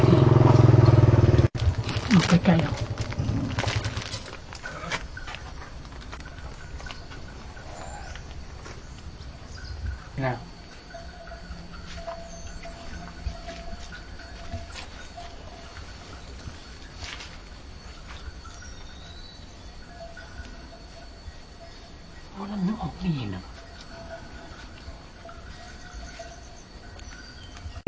อีกไกลไกลอ่ะ